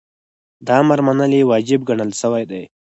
د امر منل یی واجب ګڼل سوی دی .